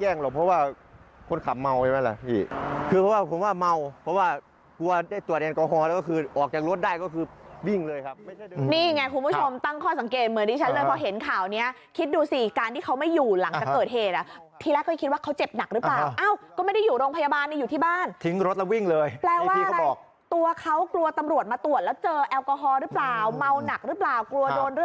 แจ้งประกันเขาก็คงมันกล้าแจ้งหรอกเพราะว่าคนขับเมาไปเลย